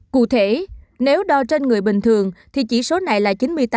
cụ thể nếu đo trên người bình thường thì chỉ số này là chín mươi tám một trăm linh